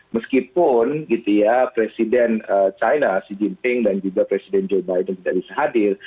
meskipun gitu ya presiden china xi jinping dan juga presiden joe biden tidak bisa hadir